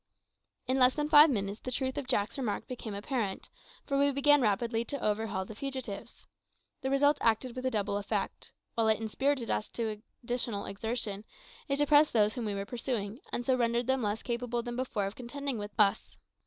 In less than five minutes the truth of Jack's remark became apparent, for we began rapidly to overhaul the fugitives. This result acted with a double effect: while it inspirited us to additional exertion, it depressed those whom we were pursuing, and so rendered them less capable than before of contending with us.